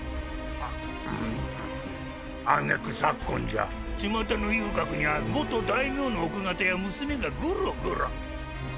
揚げ句昨今じゃちまたの遊郭にゃ元大名の奥方や娘がゴロゴロ。